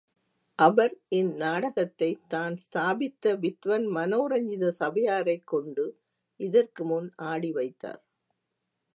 அவர் இந் நாடகத்தைத் தான் ஸ்தாபித்த வித்வன் மனோரஞ்சித சபையாரைக் கொண்டு இதற்கு முன் ஆடி வைத்தார்.